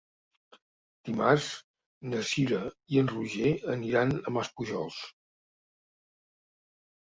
Dimarts na Cira i en Roger aniran a Maspujols.